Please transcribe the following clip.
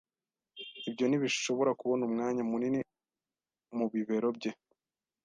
Ibyo ntibishobora kubona umwanya munini mu bibero bye